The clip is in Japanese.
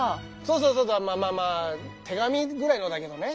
そうそうそうまあまあ手紙ぐらいのだけどね。